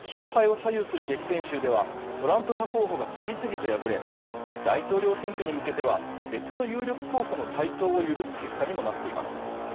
勝敗を左右する激戦州ではトランプ派候補が次々と敗れ大統領選挙に向けては別の有力候補の台頭を許す結果にもなっています。